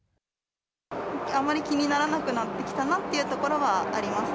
あまり気にならなくなってきたなっていうところはあります。